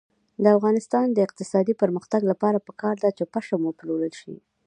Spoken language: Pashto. د افغانستان د اقتصادي پرمختګ لپاره پکار ده چې پشم وپلورل شي.